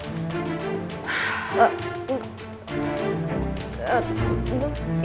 dengar suara dewi